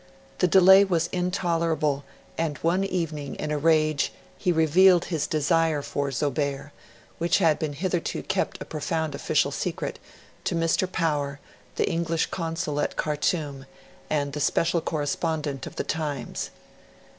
The delay was intolerable, and one evening, in a rage, he revealed his desire for Zobeir which had hitherto been kept a profound official secret to Mr Power, the English Consul at Khartoum, and the special correspondent of "The Times."